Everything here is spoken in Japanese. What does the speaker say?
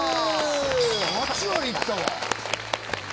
８割いったわ！